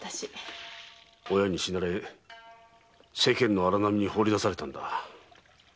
親に死なれ世間の荒波にほうり出されたんだ。